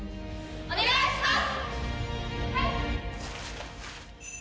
お願いします！